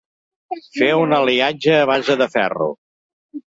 Fer un aliatge a base de ferro.